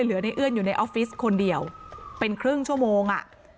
เหลือในเอื้อนอยู่ในออฟฟิศคนเดียวเป็นครึ่งชั่วโมงอ่ะ